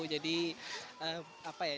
jadi apa ya